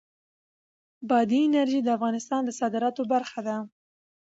بادي انرژي د افغانستان د صادراتو برخه ده.